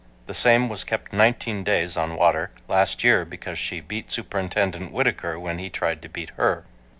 The ,same was kept nineteen days on water last year because she .beat Superintendent Whittaker when he tried to beat her.